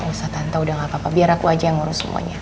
gak usah tante udah nggak apa apa biar aku aja yang ngurus semuanya